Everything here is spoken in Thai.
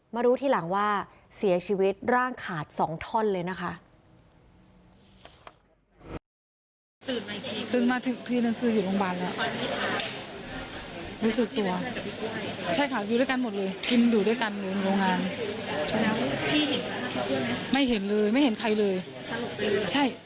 รู้ทีหลังว่าเสียชีวิตร่างขาด๒ท่อนเลยนะคะ